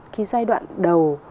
khi giai đoạn đầu